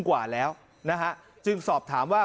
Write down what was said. กว่าแล้วนะฮะจึงสอบถามว่า